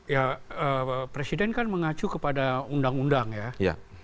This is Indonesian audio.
ya presiden kan mengacu kepada undang undang ya